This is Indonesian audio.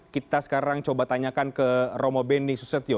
kita sekarang coba tanyakan ke romo beni susetio